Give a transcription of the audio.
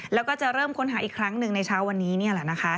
แล้วจะเริ่มค้นหาอีกครั้งหนึ่งในเช้าวันนี้